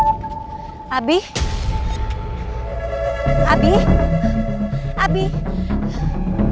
aku akan mencari cherry